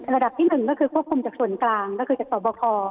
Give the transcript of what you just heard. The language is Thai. ระดับที่๑ก็คือควบคุมจากส่วนกลางก็คือจากสอบคอ